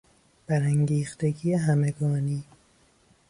برانگیختگی همگانی